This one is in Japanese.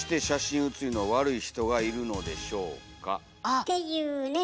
っていうね。